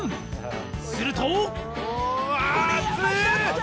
すると。